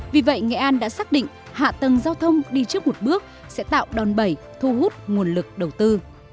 vì vậy nghệ an đã xác định hạ tầng giao thông đi trước một bước sẽ tạo đòn bẩy thu hút nguồn lực đầu tư